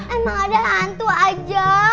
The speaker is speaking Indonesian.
emang ada hantu aja